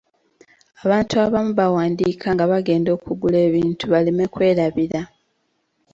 Abantu abamu bawandiika nga bagenda okugula ebintu baleme kwerabira.